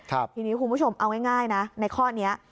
ทีนี้คุณผู้ชมเอาง่ายนะในข้อนี้